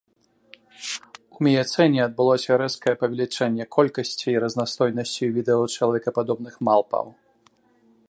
У міяцэне адбылося рэзкае павелічэнне колькасці і разнастайнасці відаў чалавекападобных малпаў.